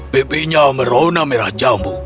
pipinya merona merah jambu